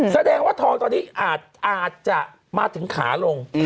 แสดงว่าทองตอนนี้อาจจะมาถึงขาลง